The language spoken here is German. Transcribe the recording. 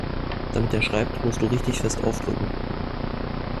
Damit er schreibt, musst du richtig fest aufdrücken.